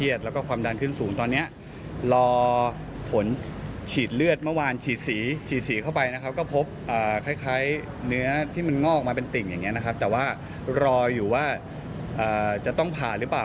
อย่างง่อออกมาเป็นติ่งอย่างนี้นะครับแต่ว่ารออยู่ว่าจะต้องผ่าหรือเปล่า